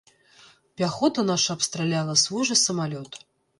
Пяхота наша абстраляла свой жа самалёт.